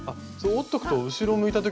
折っとくと後ろ向いた時に。